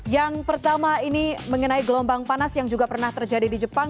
yang pertama ini mengenai gelombang panas yang juga pernah terjadi di jepang